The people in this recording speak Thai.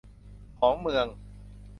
ของเมือง